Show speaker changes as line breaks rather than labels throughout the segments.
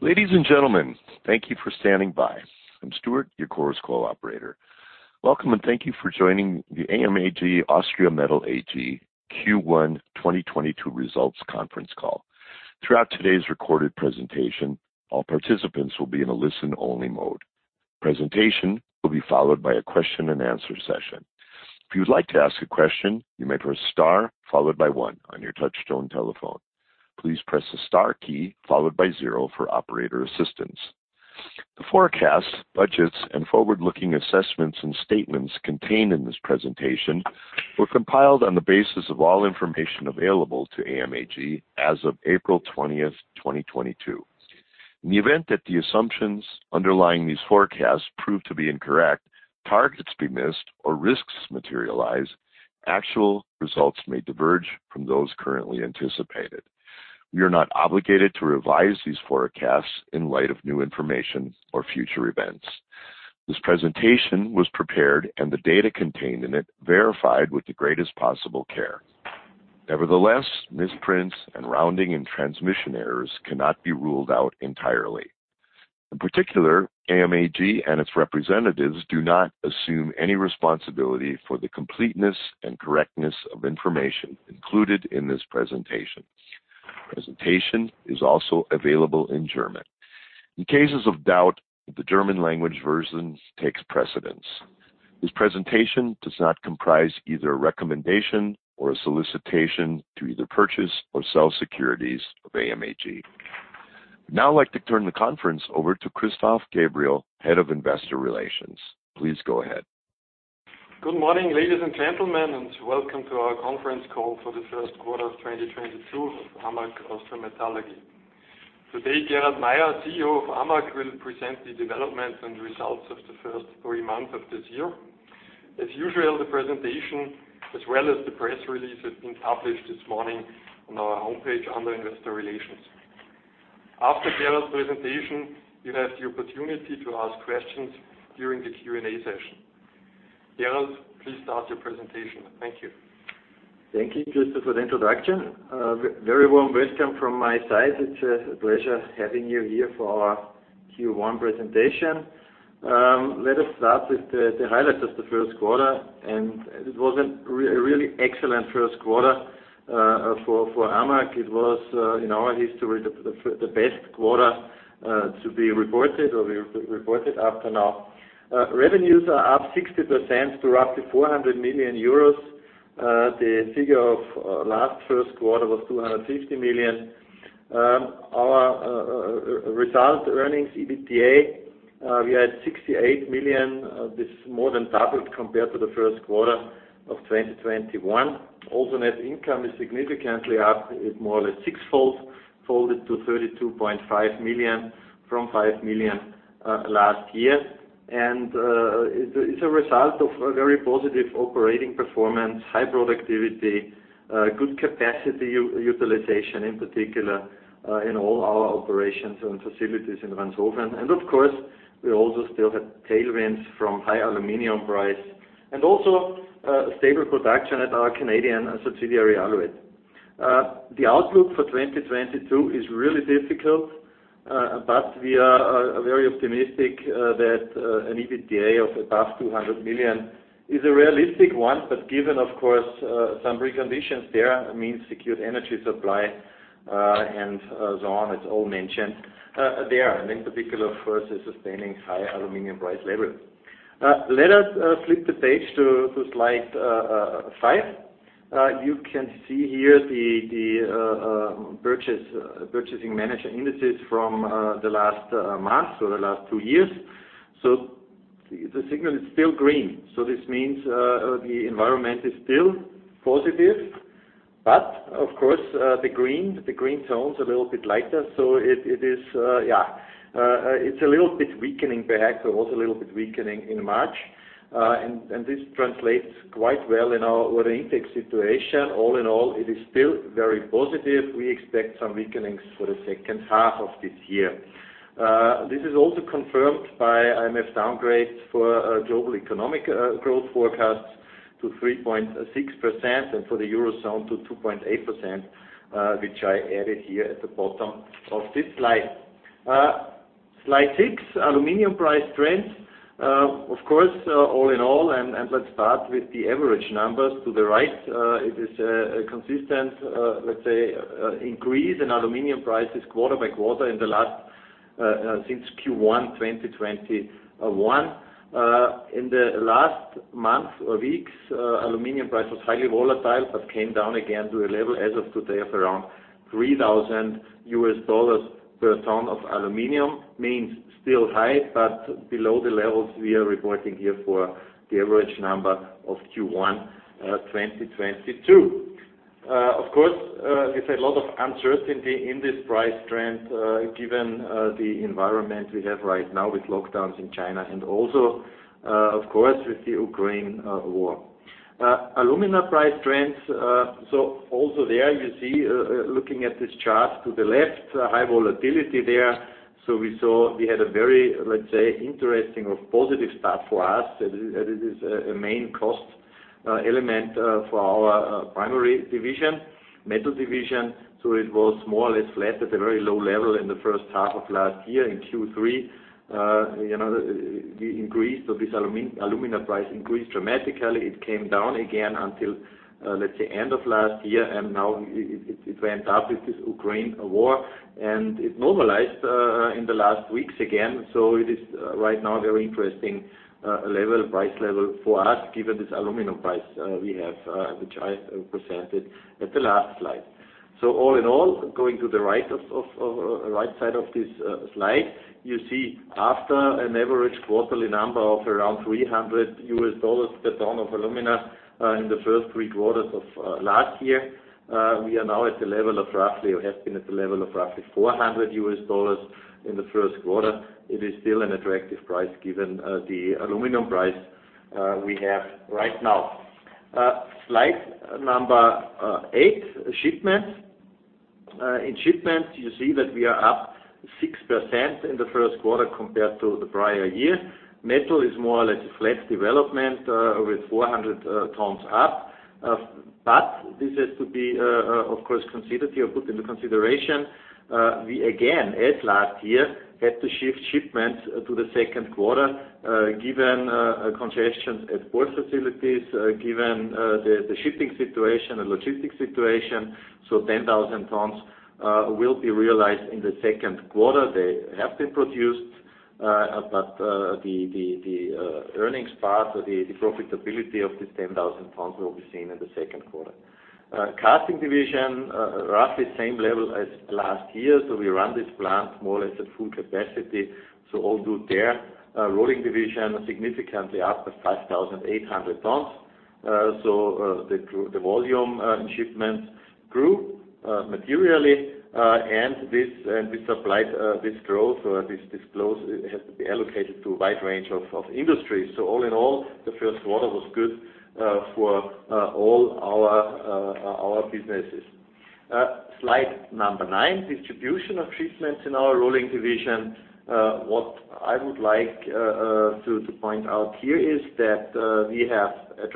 Ladies and gentlemen, thank you for standing by. I'm Stuart, your Chorus Call operator. Welcome, and thank you for joining the AMAG Austria Metall AG Q1 2022 Results Conference Call. Throughout today's recorded presentation, all participants will be in a listen-only mode. Presentation will be followed by a question-and-answer session. If you'd like to ask a question, you may press star followed by one on your touchtone telephone. Please press the star key followed by zero for operator assistance. The forecasts, budgets, and forward-looking assessments and statements contained in this presentation were compiled on the basis of all information available to AMAG as of April 20th, 2022. In the event that the assumptions underlying these forecasts prove to be incorrect, targets be missed or risks materialize, actual results may diverge from those currently anticipated. We are not obligated to revise these forecasts in light of new information or future events. This presentation was prepared and the data contained in it verified with the greatest possible care. Nevertheless, misprints and rounding and transmission errors cannot be ruled out entirely. In particular, AMAG and its representatives do not assume any responsibility for the completeness and correctness of information included in this presentation. Presentation is also available in German. In cases of doubt, the German language version takes precedence. This presentation does not comprise either a recommendation or a solicitation to either purchase or sell securities of AMAG. I would now like to turn the conference over to Christoph Gabriel, Head of Investor Relations. Please go ahead.
Good morning, ladies and gentlemen, and welcome to our conference call for the first quarter of 2022 of AMAG Austria Metall. Today, Gerald Mayer, CEO of AMAG, will present the development and results of the first three months of this year. As usual, the presentation as well as the press release has been published this morning on our homepage under Investor Relations. After Gerald's presentation, you have the opportunity to ask questions during the Q&A session. Gerald, please start your presentation. Thank you.
Thank you, Christoph, for the introduction. Very warm welcome from my side. It's a pleasure having you here for our Q1 presentation. Let us start with the highlight of the first quarter, and it was a really excellent first quarter for AMAG. It was in our history, the best quarter to be reported up to now. Revenues are up 60% to roughly 400 million euros. The figure of last first quarter was 250 million. Our result earnings, EBITDA, we had 68 million. This more than doubled compared to the first quarter of 2021. Also, net income is significantly up. It more or less sixfold to 32.5 million from 5 million last year. It's a result of a very positive operating performance, high productivity, good capacity utilization, in particular, in all our operations and facilities in Ranshofen. Of course, we also still have tailwinds from high aluminum price and also stable production at our Canadian subsidiary, Alouette. The outlook for 2022 is really difficult, but we are very optimistic that an EBITDA of above 200 million is a realistic one, but given, of course, some preconditions that means secure energy supply, and so on. It's all mentioned there, and in particular, of course, is sustaining high aluminum price levels. Let us flip the page to slide five. You can see here the purchasing manager indices from the last month or the last two years. The signal is still green. This means the environment is still positive. But of course, the green tone's a little bit lighter, so it is. It's a little bit weakening perhaps, or was a little bit weakening in March. And this translates quite well in our order intake situation. All in all, it is still very positive. We expect some weakenings for the second half of this year. This is also confirmed by IMF downgrade for global economic growth forecasts to 3.6% and for the Eurozone to 2.8%, which I added here at the bottom of this slide. Slide 6, aluminum price trends. Of course, all in all, and let's start with the average numbers to the right. It is a consistent, let's say, increase in aluminum prices quarter by quarter in the last since Q1 2021. In the last month or weeks, aluminum price was highly volatile, but came down again to a level as of today of around $3,000 per ton of aluminum, means still high, but below the levels we are reporting here for the average number of Q1 2022. Of course, it's a lot of uncertainty in this price trend, given the environment we have right now with lockdowns in China and also, of course, with the Ukraine war. Alumina price trends, also there you see, looking at this chart to the left, high volatility there. We saw we had a very, let's say, interesting or positive start for us, that is, that it is a main cost element for our primary division, metal division. It was more or less flat at a very low level in the first half of last year. In Q3, you know, it increased, so this alumina price increased dramatically. It came down again until, let's say, end of last year, and now it went up with this Ukraine war. It normalized in the last weeks again. It is right now a very interesting level, price level for us, given this aluminum price we have, which I presented at the last slide. All in all, going to the right side of this slide, you see, after an average quarterly number of around $300 per ton of alumina in the first three quarters of last year, we are now at the level of roughly, or have been at the level of roughly $400 in the first quarter. It is still an attractive price given the aluminum price we have right now. Slide number eight, shipments. In shipments, you see that we are up 6% in the first quarter compared to the prior year. Metal is more or less a flat development, with 400 tons up. This has to be, of course, considered here, put into consideration. We again, as last year, had to shift shipments to the second quarter, given congestion at port facilities, given the earnings part or the profitability of these 10,000 tons will be seen in the second quarter. Casting division, roughly same level as last year. We run this plant more or less at full capacity, so all good there. Rolling division, significantly up at 5,800 tons. The volume in shipments grew materially. This growth has to be allocated to a wide range of industries. All in all, the first quarter was good for all our businesses. Slide nine, distribution of shipments in our rolling division. What I would like to point out here is that we have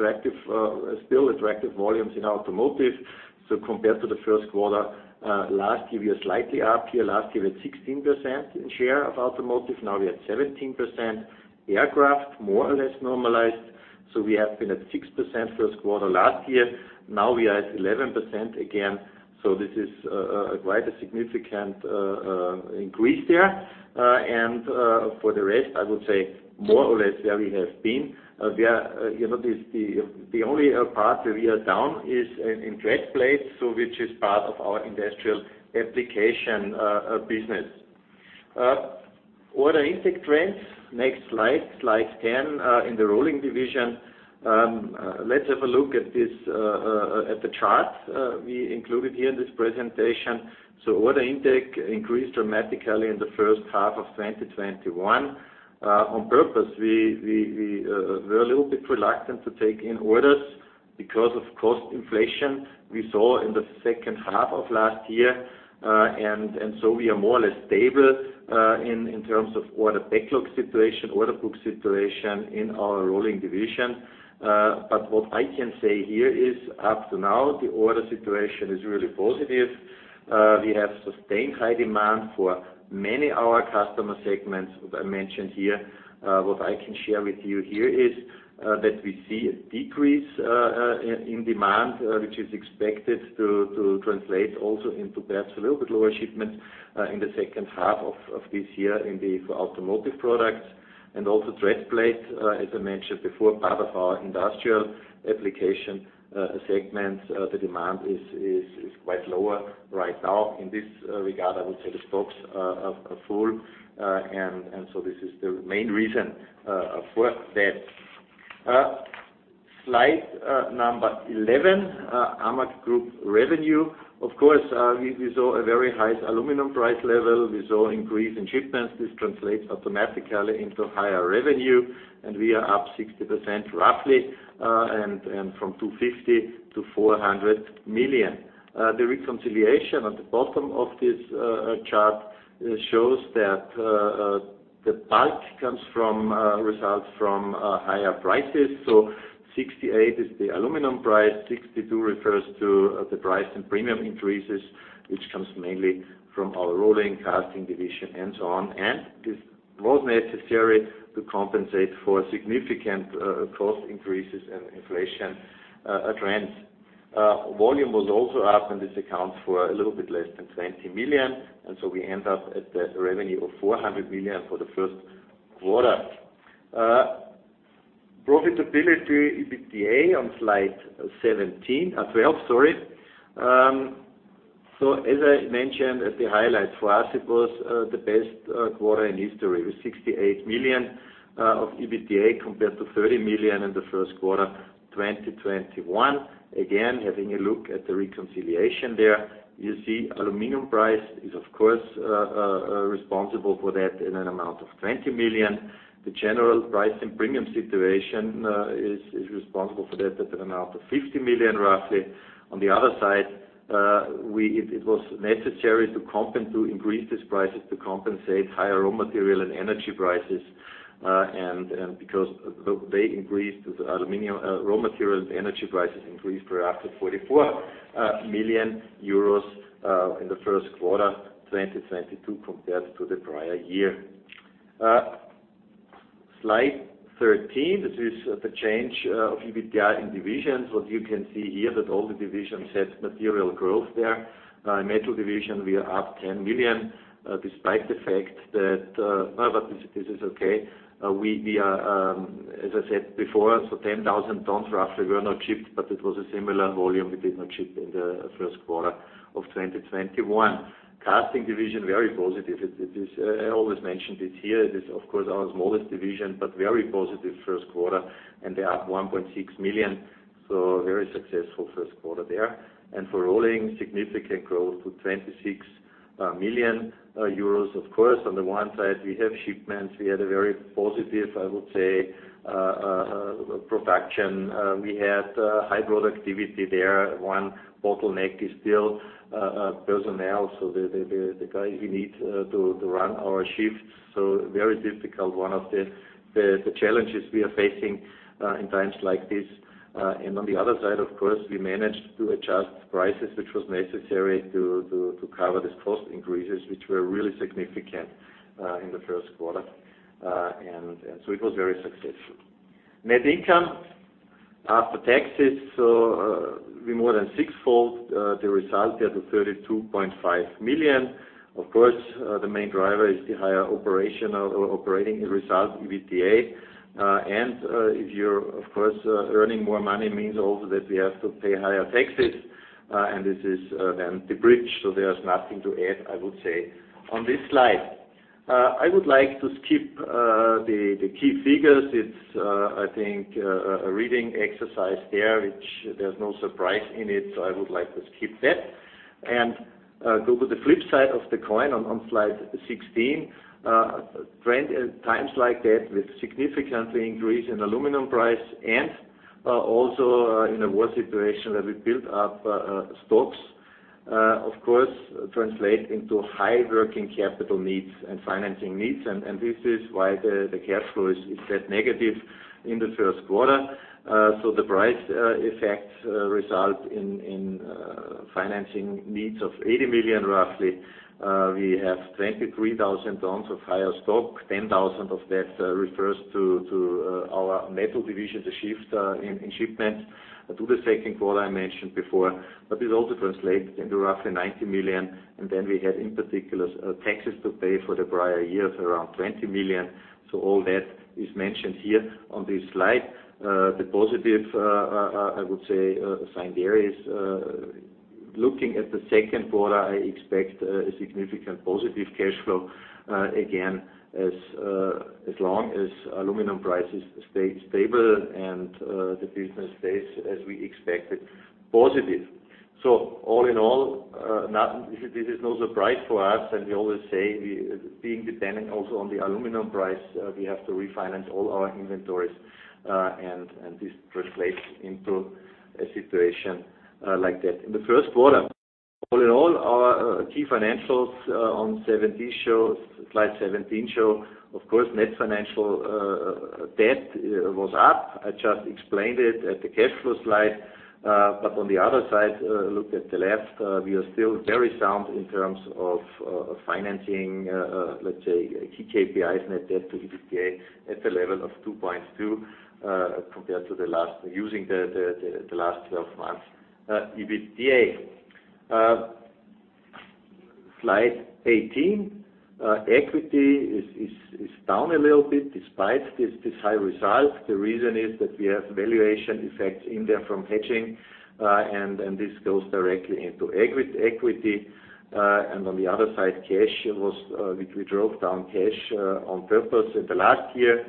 still attractive volumes in automotive. Compared to the first quarter last year, we are slightly up here. Last year we had 16% in share of automotive. Now we are at 17%. Aircraft, more or less normalized. We have been at 6% first quarter last year. Now we are at 11% again. This is quite a significant increase there. For the rest, I would say more or less where we have been. We are, you know, the only part that we are down is in tread plates, so which is part of our industrial application business. Order intake trends, next slide 10, in the rolling division. Let's have a look at this at the chart we included here in this presentation. Order intake increased dramatically in the first half of 2021. On purpose, we're a little bit reluctant to take in orders because of cost inflation we saw in the second half of last year. We are more or less stable in terms of order backlog situation, order book situation in our rolling division. What I can say here is up to now, the order situation is really positive. We have sustained high demand for many of our customer segments that I mentioned here. What I can share with you here is that we see a decrease in demand, which is expected to translate also into perhaps a little bit lower shipments in the second half of this year in the automotive products. Also tread plate, as I mentioned before, part of our industrial application segment, the demand is quite lower right now. In this regard, I would say the stocks are full. This is the main reason for that. Slide number 11, AMAG Group revenue. Of course, we saw a very high aluminum price level. We saw increase in shipments. This translates automatically into higher revenue, and we are up 60% roughly, and from 250 million to 400 million. The reconciliation at the bottom of this chart shows that the bulk comes from higher prices. So 68 is the aluminum price. 62 refers to the price and premium increases, which comes mainly from our rolling casting division, and so on. It was necessary to compensate for significant cost increases and inflation trends. Volume was also up, and this accounts for a little bit less than 20 million. We end up at the revenue of 400 million for the first quarter. Profitability, EBITDA on slide 12, sorry. As I mentioned at the highlights, for us it was the best quarter in history with 68 million of EBITDA compared to 30 million in the first quarter 2021. Again, having a look at the reconciliation there, you see aluminum price is of course responsible for that in an amount of 20 million. The general price and premium situation is responsible for that at an amount of 50 million roughly. On the other side, it was necessary to increase these prices to compensate higher raw material and energy prices. Because they increased with the aluminum raw materials, the energy prices increased for up to 44 million euros in the first quarter 2022 compared to the prior year. Slide 13, this is the change of EBITDA in divisions. What you can see here that all the divisions have material growth there. Metal division, we are up 10 million, despite the fact that. But this is okay. As I said before, 10,000 tons roughly were not shipped, but it was a similar volume we did not ship in the first quarter of 2021. Casting division, very positive. It is, I always mentioned it here. It is of course, our smallest division, but very positive first quarter, and they are up 1.6 million, so very successful first quarter there. For rolling, significant growth to 26 million euros. Of course, on the one side, we have shipments. We had a very positive, I would say, production. We had high productivity there. One bottleneck is still personnel, so the guys we need to run our shifts. Very difficult, one of the challenges we are facing in times like this. On the other side, of course, we managed to adjust prices, which was necessary to cover these cost increases, which were really significant in the first quarter. It was very successful. Net income after taxes, we more than sixfold the result there to 32.5 million. Of course, the main driver is the higher operational or operating result, EBITDA. If you're earning more money means also that we have to pay higher taxes, and this is then the bridge. There's nothing to add, I would say, on this slide. I would like to skip the key figures. It's, I think, a reading exercise there, which there's no surprise in it. I would like to skip that and go to the flip side of the coin on slide 16. Trend in times like that with significant increase in aluminum price and also in a worse situation that we build up stocks, of course, translate into high working capital needs and financing needs. This is why the cash flow is that negative in the first quarter. The price effect result in financing needs of 80 million, roughly. We have 23,000 tons of higher stock. 10,000 of that refers to our metal division, the shift in shipment to the second quarter I mentioned before. This also translates into roughly 90 million, and then we had, in particular, taxes to pay for the prior years, around 20 million. All that is mentioned here on this slide. The positive, I would say, sign there is looking at the second quarter, I expect a significant positive cash flow again, as long as aluminum prices stay stable and the business stays as we expected, positive. All in all, this is no surprise for us. We always say we, being dependent also on the aluminum price, we have to refinance all our inventories, and this translates into a situation like that. In the first quarter, all in all, our key financials on slide 17, of course, net financial debt was up. I just explained it at the cash flow slide. On the other side, look at the left, we are still very sound in terms of financing, let's say, key KPIs, net debt to EBITDA at the level of 2.2, compared to the last using the last twelve months EBITDA. Slide 18, equity is down a little bit despite this high result. The reason is that we have valuation effects in there from hedging, and this goes directly into equity. On the other side, cash, which we drove down on purpose in the last year.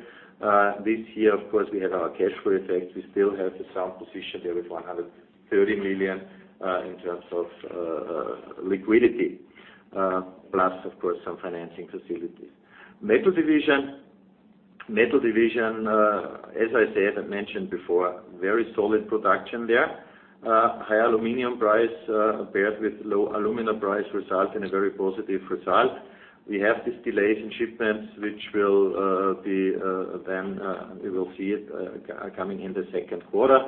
This year, of course, we had our cash flow effect. We still have a sound position there with 130 million in terms of liquidity, plus, of course, some financing facilities. Metal division, as I said and mentioned before, very solid production there. High aluminum price paired with low alumina price result in a very positive result. We have these delays in shipments, which will be then we will see it coming in the second quarter.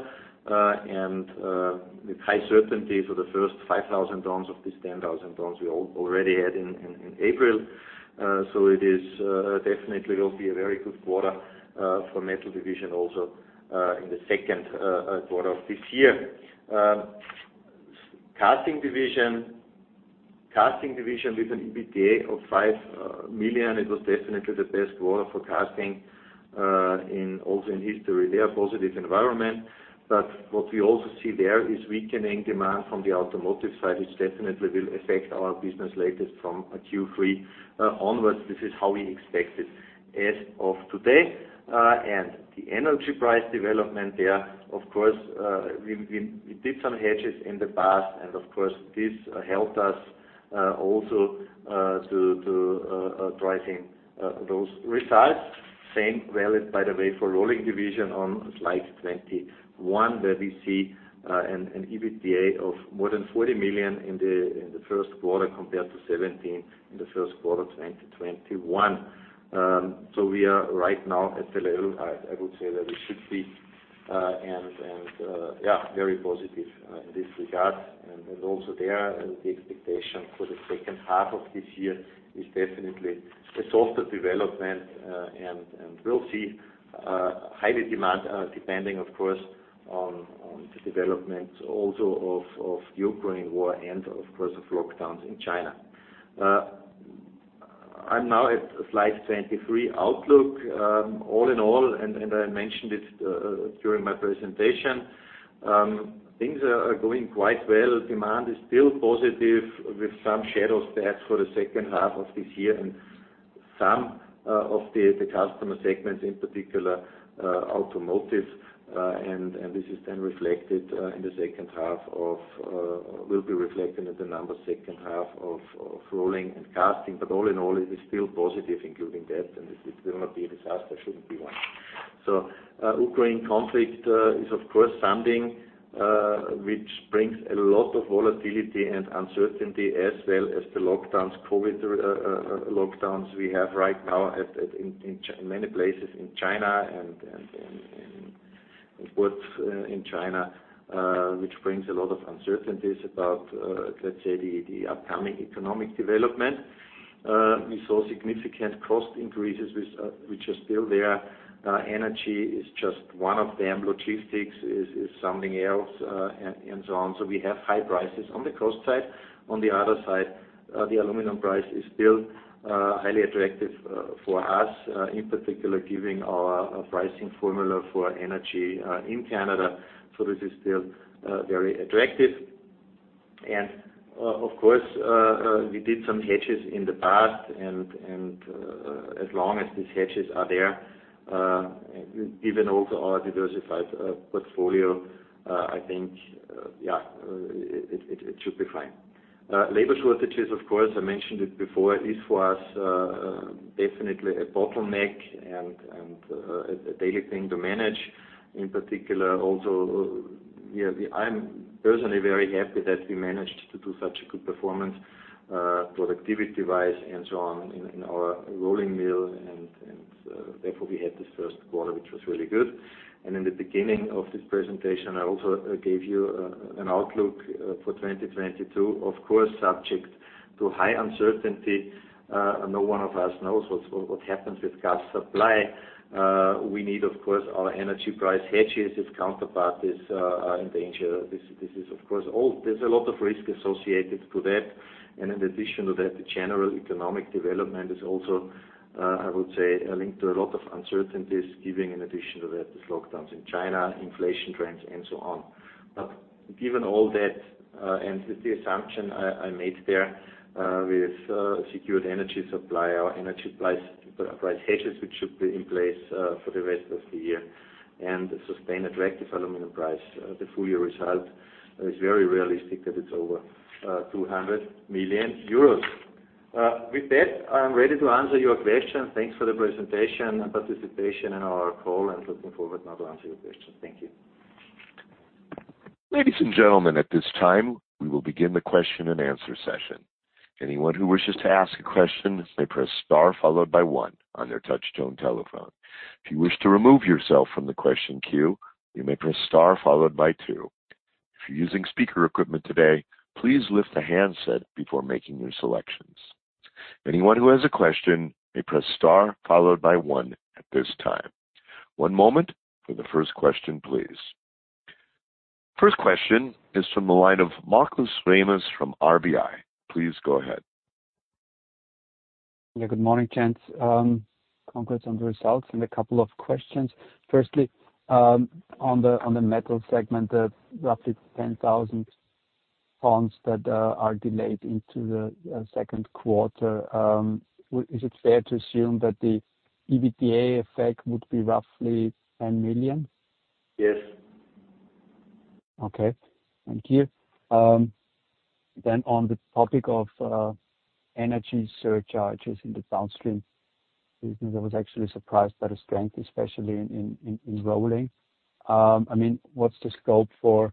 With high certainty for the first 5,000 tons of this 10,000 tons we already had in April. It is definitely will be a very good quarter for metal division also in the second quarter of this year. Casting division. Casting division with an EBITDA of 5 million. It was definitely the best quarter for casting, also in history. There is positive environment, but what we also see there is weakening demand from the automotive side, which definitely will affect our business at the latest from Q3 onwards. This is how we expect it as of today. The energy price development there, of course, we did some hedges in the past, and of course, this helped us also to drive those results. Same valid, by the way, for rolling division on slide 21, where we see an EBITDA of more than 40 million in the first quarter compared to 17. The first quarter 2021. We are right now at the level I would say that we should be, and yeah, very positive in this regard. Also, the expectation for the second half of this year is definitely a softer development. We'll see high demand, depending of course on the development also of the Ukraine war and of course of lockdowns in China. I'm now at slide 23, outlook. All in all, I mentioned it during my presentation, things are going quite well. Demand is still positive with some shadows there for the second half of this year and some of the customer segments in particular, automotive. This will be reflected in the numbers second half of rolling and casting. All in all, it is still positive including that, and it will not be a disaster, shouldn't be one. Ukraine conflict is of course something which brings a lot of volatility and uncertainty as well as the COVID lockdowns we have right now in many places in China and in ports in China, which brings a lot of uncertainties about, let's say, the upcoming economic development. We saw significant cost increases which are still there. Energy is just one of them. Logistics is something else, and so on. We have high prices on the cost side. On the other side, the aluminum price is still highly attractive for us, in particular given our pricing formula for energy in Canada. This is still very attractive. Of course, we did some hedges in the past and as long as these hedges are there, given also our diversified portfolio, I think it should be fine. Labor shortages, of course, I mentioned it before, is for us definitely a bottleneck and a daily thing to manage. In particular also, I'm personally very happy that we managed to do such a good performance, productivity-wise and so on in our rolling mill and therefore we had this first quarter, which was really good. In the beginning of this presentation, I also gave you an outlook for 2022, of course, subject to high uncertainty. No one of us knows what happens with gas supply. We need, of course, our energy price hedges if counterparties are in danger. This is of course all. There's a lot of risk associated to that. In addition to that, the general economic development is also, I would say linked to a lot of uncertainties giving in addition to that, these lockdowns in China, inflation trends and so on. Given all that, and with the assumption I made there, with secured energy supply, our energy price hedges, which should be in place for the rest of the year and sustain attractive aluminum price, the full year result is very realistic that it's over 200 million euros. With that, I'm ready to answer your question. Thanks for the presentation and participation in our call, and looking forward now to answer your question. Thank you.
Ladies and gentlemen, at this time, we will begin the question-and-answer session. Anyone who wishes to ask a question may press star followed by one on their touchtone telephone. If you wish to remove yourself from the question queue, you may press star followed by two. If you're using speaker equipment today, please lift the handset before making your selections. Anyone who has a question may press star followed by one at this time. One moment for the first question, please. First question is from the line of Markus Remis from RBI. Please go ahead.
Yeah. Good morning, gents. Congrats on the results and a couple of questions. Firstly, on the metal segment, the roughly 10,000 tons that are delayed into the second quarter, is it fair to assume that the EBITDA effect would be roughly 10 million?
Yes.
Okay. Thank you. On the topic of energy surcharges in the downstream business, I was actually surprised by the strength, especially in rolling. I mean, what's the scope for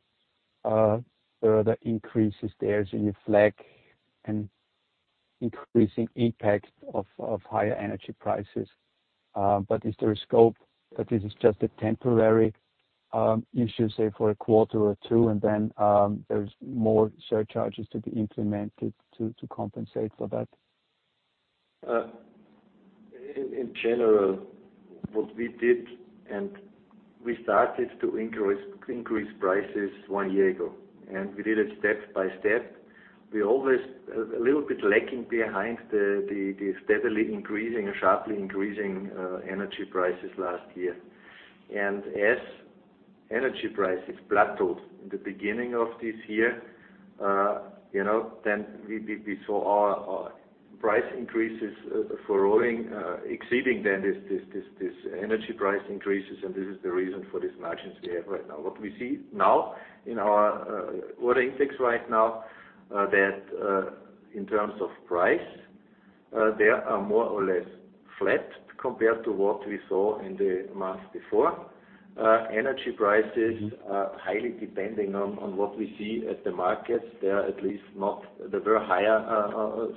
further increases there as you flag an increasing impact of higher energy prices? Is there a scope that this is just a temporary issue, say, for a quarter or two, and then there's more surcharges to be implemented to compensate for that?
In general, what we did, we started to increase prices one year ago, and we did it step by step. We always a little bit lagging behind the steadily increasing or sharply increasing energy prices last year. As energy prices plateaued in the beginning of this year, you know, then we saw our price increases for rolling exceeding the energy price increases, and this is the reason for these margins we have right now. What we see now in our order index right now, that in terms of price, there are more or less flat compared to what we saw in the month before. Energy prices are highly depending on what we see at the markets. They were higher,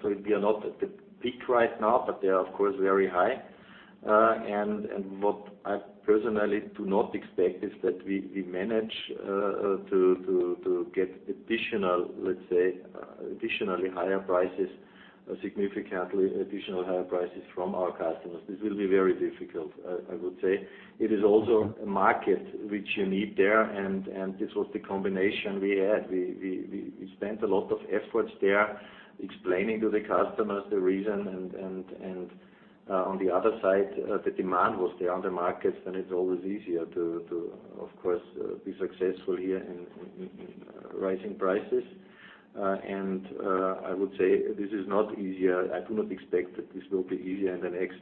so we are not at the peak right now, but they are of course very high. What I personally do not expect is that we manage to get additional, let's say, additionally higher prices, significantly additional higher prices from our customers. This will be very difficult, I would say. It is also a market which you need there and this was the combination we had. We spent a lot of efforts there explaining to the customers the reason and on the other side, the demand was there on the markets, and it's always easier to of course be successful here in raising prices. I would say this is not easier. I do not expect that this will be easier in the next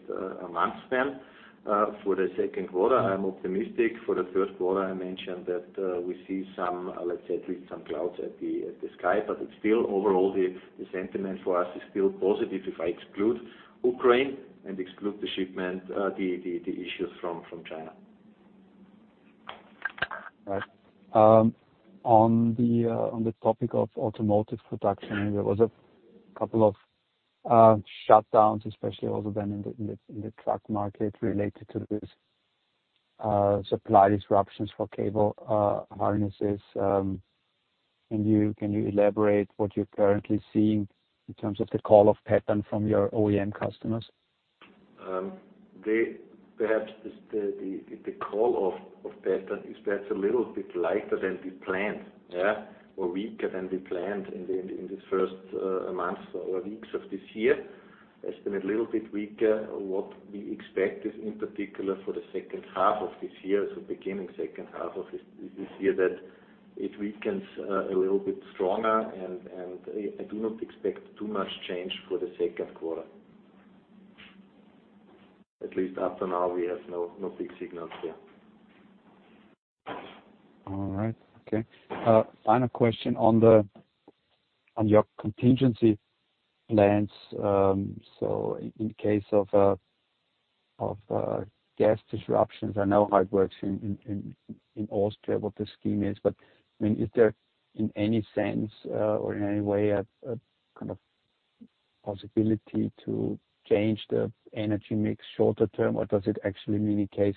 month span for the second quarter. I'm optimistic for the first quarter. I mentioned that we see some, let's say at least some clouds at the sky, but it's still overall the sentiment for us is still positive if I exclude Ukraine and exclude the shipment, the issues from China.
Right. On the topic of automotive production, there was a couple of shutdowns, especially also then in the truck market related to this supply disruptions for cable harnesses. Can you elaborate what you're currently seeing in terms of the call off pattern from your OEM customers?
Perhaps the call-off pattern is perhaps a little bit lighter than we planned, yeah, or weaker than we planned in this first months or weeks of this year. It's been a little bit weaker. What we expect is in particular for the second half of this year, so beginning second half of this year, that it weakens a little bit stronger and I do not expect too much change for the second quarter. At least up to now, we have no big signals there.
All right. Okay. Final question on your contingency plans. In case of gas disruptions, I know how it works in Austria, what the scheme is. I mean, is there in any sense or in any way a kind of possibility to change the energy mix shorter term, or does it actually mean in case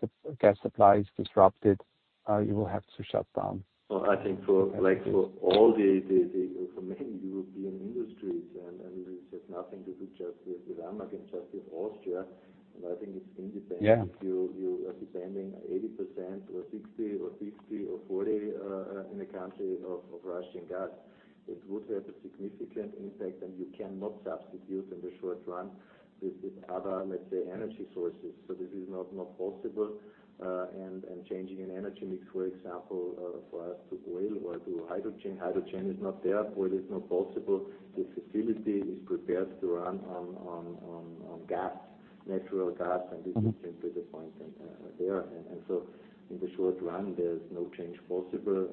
the gas supply is disrupted, you will have to shut down?
Well, I think, for many European industries, and this has nothing to do just with AMAG and just with Austria, and I think it's independent.
Yeah.
If you are depending 80% or 60% or 50% or 40% on Russian gas, it would have a significant impact and you cannot substitute in the short run with other, let's say, energy sources. This is not possible and changing an energy mix, for example, for us to oil or to hydrogen. Hydrogen is not there. Oil is not possible. The facility is prepared to run on natural gas, and this is simply the point there. In the short run, there's no change possible.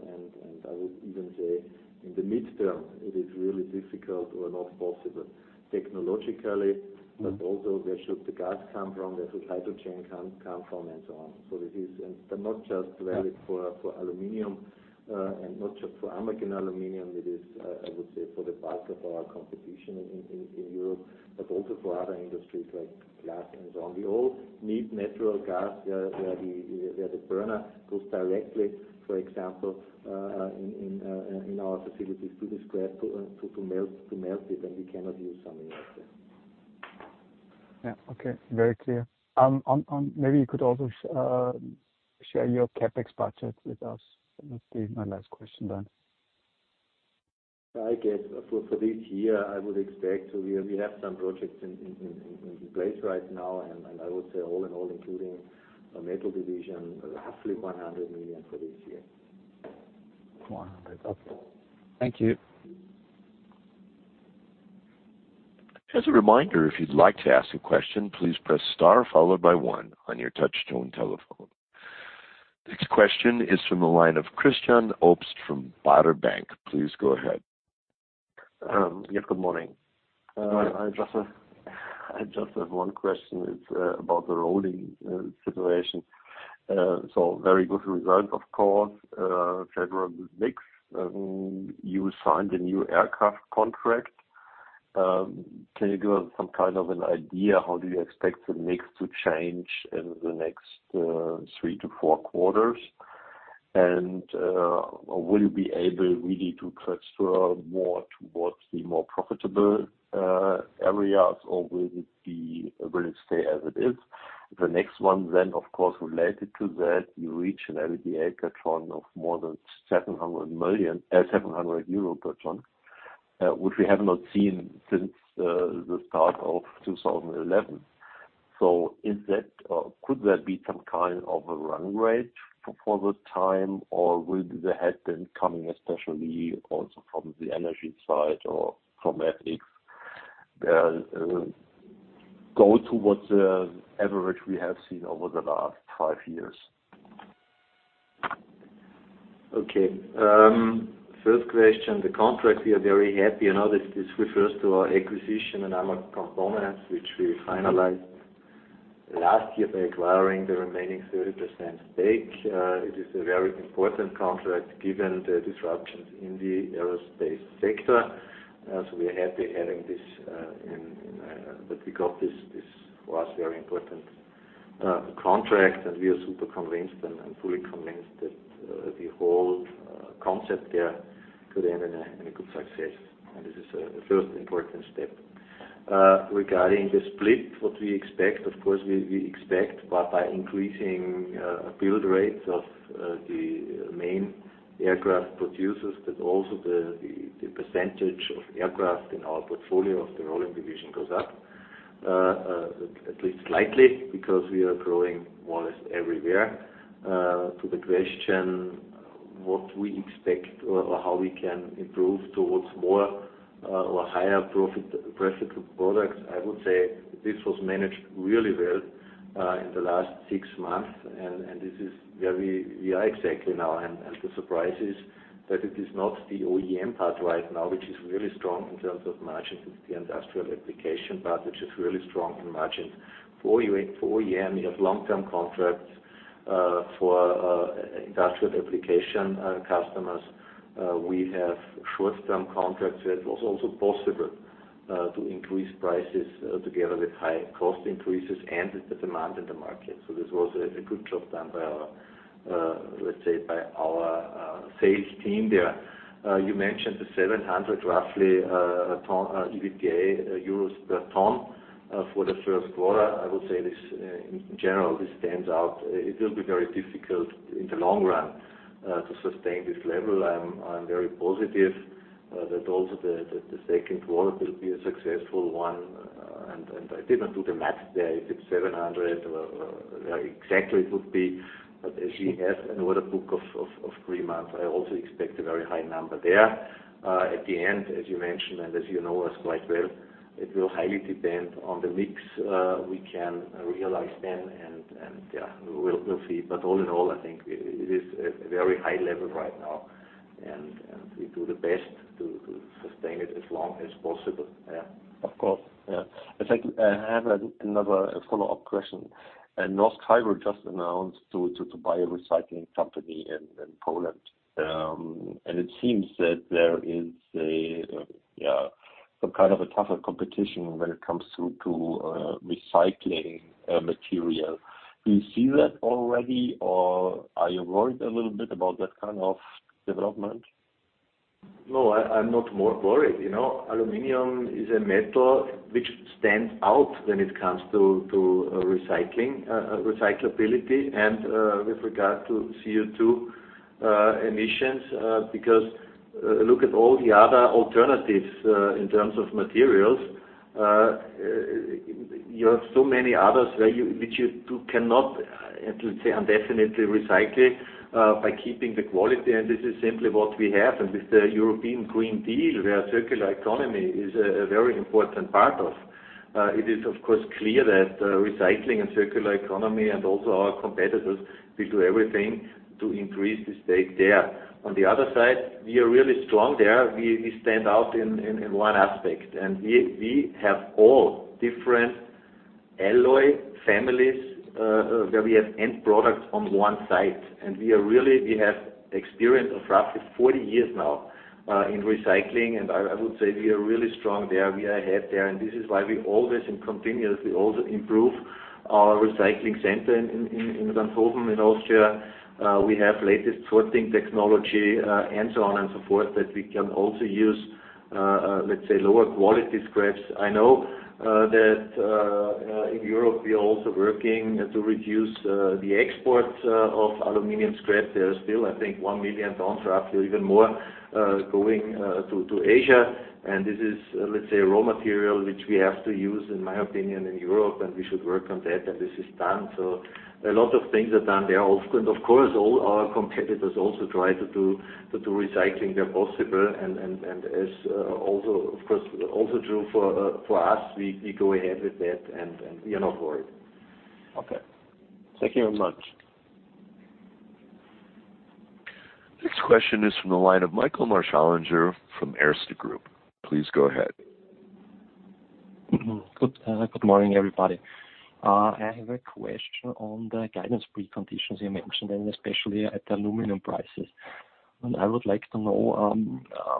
I would even say in the midterm, it is really difficult or not possible technologically, but also where should the gas come from? Where should hydrogen come from and so on. This is, but not just valid for aluminum, and not just for AMAG and aluminum. It is, I would say, for the bulk of our competition in Europe, but also for other industries like glass and so on. We all need natural gas where the burner goes directly, for example, in our facilities to the scrap to melt it, and we cannot use something else there.
Yeah. Okay. Very clear. On maybe you could also share your CapEx budget with us. That would be my last question then.
I guess for this year, I would expect we have some projects in place right now, and I would say all in all including our metal division, roughly 100 million for this year.
100. Okay. Thank you.
As a reminder, if you'd like to ask a question, please press star followed by one on your touch tone telephone. Next question is from the line of Christian Obst from Baader Bank. Please go ahead.
Yeah, good morning.
Good morning.
I have one question. It's about the rolling situation. Very good result of course. February mix, you signed a new aircraft contract. Can you give us some kind of an idea how you expect the mix to change in the next 3-4 quarters? Will you be able really to cluster more towards the more profitable areas, or will it stay as it is? The next one, of course, related to that, you reach an EBITDA per tonne of more than 700 per ton, which we have not seen since the start of 2011. Is that, could that be some kind of a run rate for the time, or will the headwind coming especially also from the energy side or from ETS go towards the average we have seen over the last five years?
Okay. First question, the contract, we are very happy. You know, this refers to our acquisition in AMAG Components, which we finalized last year by acquiring the remaining 30% stake. It is a very important contract given the disruptions in the aerospace sector. We're happy adding this in that we got this for us very important contract. We are super convinced and fully convinced that the whole concept there could end in a good success. This is the first important step. Regarding the split, what we expect, of course, we expect by increasing build rates of the main aircraft producers, but also the percentage of aircraft in our portfolio of the rolling division goes up, at least slightly because we are growing more or less everywhere. To the question what we expect or how we can improve towards more or higher profitability products, I would say this was managed really well in the last six months. This is where we are exactly now, and the surprise is that it is not the OEM part right now, which is really strong in terms of margins, it's the industrial application part, which is really strong in margins. For OEM, you have long-term contracts. For industrial application customers, we have short-term contracts where it was also possible to increase prices together with high cost increases and the demand in the market. This was a good job done by our, let's say, sales team there. You mentioned the 700 roughly tonne EBITDA EUR per tonne for the first quarter. I would say this, in general, this stands out. It will be very difficult in the long run to sustain this level. I'm very positive that also the second quarter will be a successful one. I didn't do the math there. Is it 700 or where exactly it would be? As we have an order book of three months, I also expect a very high number there. At the end, as you mentioned, and as you know us quite well, it will highly depend on the mix we can realize then, and yeah, we'll see. All in all, I think it is at a very high level right now, and we do the best to sustain it as long as possible. Yeah.
Of course. Yeah. In fact, I have another follow-up question. Norsk Hydro just announced to buy a recycling company in Poland. It seems that there is some kind of a tougher competition when it comes to recycling material. Do you see that already, or are you worried a little bit about that kind of development?
No, I'm not more worried. You know, aluminum is a metal which stands out when it comes to recycling, recyclability and, with regard to CO2 emissions. Because, look at all the other alternatives, in terms of materials. You have so many others where which you cannot, let's say, indefinitely recycle, by keeping the quality, and this is simply what we have. With the European Green Deal, where circular economy is a very important part of, it is of course clear that, recycling and circular economy and also our competitors will do everything to increase the stake there. On the other side, we are really strong there. We stand out in one aspect, and we have all different alloy families, where we have end products on one site. We have experience of roughly 40 years now in recycling, and I would say we are really strong there. We are ahead there, and this is why we always and continuously also improve our recycling center in Ranshofen in Austria. We have latest sorting technology, and so on and so forth, that we can also use, let's say, lower quality scraps. I know that in Europe, we are also working to reduce the export of aluminum scrap. There is still, I think, 1 million tons or up to even more going to Asia. This is, let's say, raw material, which we have to use, in my opinion, in Europe, and we should work on that, and this is done. A lot of things are done there. Of course, all our competitors also try to do recycling where possible. It's also, of course, true for us. We go ahead with that and we are not worried.
Okay. Thank you very much.
Next question is from the line of Michael Marschallinger from Erste Group. Please go ahead.
Good morning, everybody. I have a question on the guidance preconditions you mentioned, and especially on the aluminum prices. I would like to know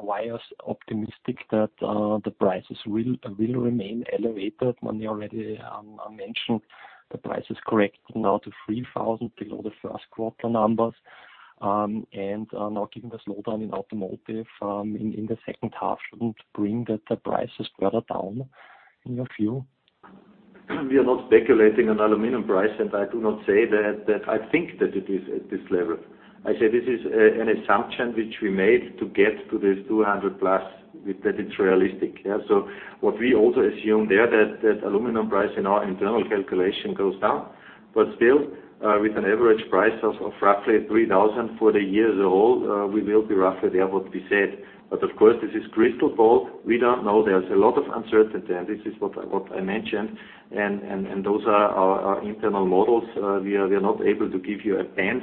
why you are optimistic that the prices will remain elevated when you already mentioned the price is correcting now to $3,000 below the first quarter numbers? Now given the slowdown in automotive in the second half, shouldn't bring the prices further down in your view?
We are not speculating on aluminum price, and I do not say that I think that it is at this level. I say this is an assumption which we made to get to this 200+, that it's realistic. What we also assume there that aluminum price in our internal calculation goes down, but still, with an average price of roughly $3,000 for the years ahead, we will be roughly there what we said. Of course, this is crystal ball. We don't know. There's a lot of uncertainty, and this is what I mentioned. Those are our internal models. We are not able to give you a band,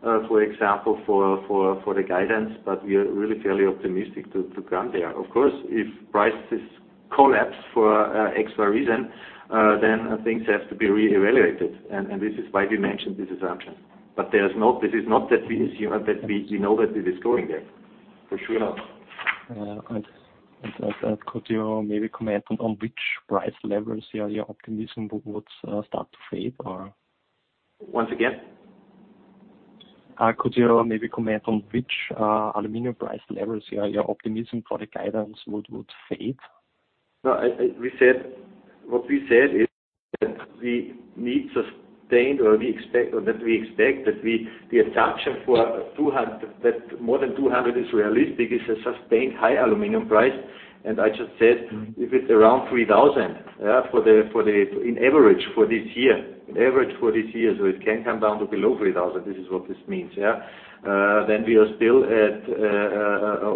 for example, for the guidance, but we are really fairly optimistic to come there. Of course, if prices collapse for X, Y reason, then things have to be re-evaluated. This is why we mentioned this assumption. There's no, this is not that we assume that we know that it is going there, for sure not.
Yeah. Could you maybe comment on which price levels, yeah, your optimism would start to fade or?
Once again.
Could you maybe comment on which aluminum price levels your optimism for the guidance would fade?
No, we said what we said is that we need sustained or we expect or that we expect that the assumption for 200 that more than 200 is realistic is a sustained high aluminum price. I just said, if it's around $3,000, yeah, on average for this year, so it can come down to below $3,000, this is what this means, yeah. Then we are still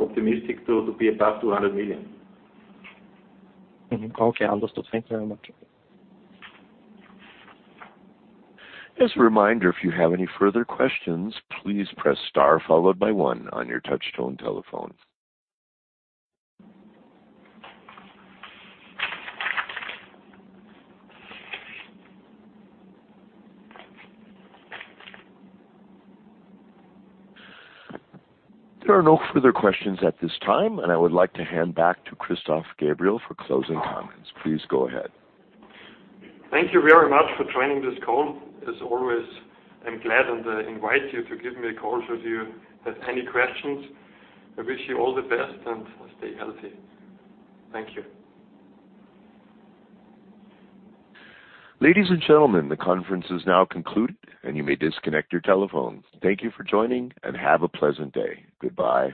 optimistic to be above 200 million.
Okay. Understood. Thank you very much.
As a reminder, if you have any further questions, please press star followed by one on your touch tone telephone. There are no further questions at this time, and I would like to hand back to Christoph Gabriel for closing comments. Please go ahead.
Thank you very much for joining this call. As always, I'm glad and I invite you to give me a call if you have any questions. I wish you all the best, and stay healthy. Thank you.
Ladies and gentlemen, the conference is now concluded, and you may disconnect your telephones. Thank you for joining, and have a pleasant day. Goodbye.